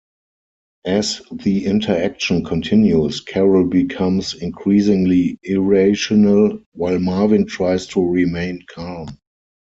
As the interaction continues, Carol becomes increasingly irrational, while Marvin tries to remain calm.